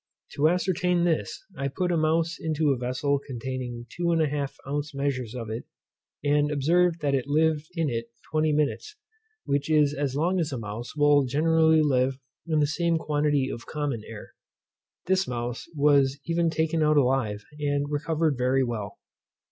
To ascertain this, I put a mouse into a vessel containing 2 1/2 ounce measures of it, and observed that it lived in it twenty minutes, which is as long as a mouse will generally live in the same quantity of common air. This mouse was even taken out alive, and recovered very well.